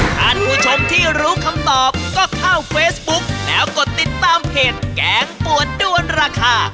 ท่านผู้ชมที่รู้คำตอบก็เข้าเฟซบุ๊กแล้วกดติดตามเพจแกงปวดด้วนราคา